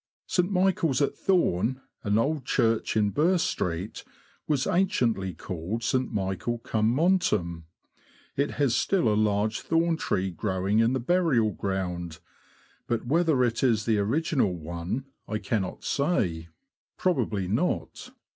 St. Michael's at Thorn, an old church in Ber Street, was anciently called St. Michael cum Montem. It has still a large thorn tree growing in the burial ground ; but whether it is the original one I cannot say — pro THE LAND OF THE BROADS. bably not.